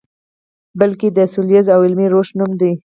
بلکې د سولیز او علمي روش نوم دی.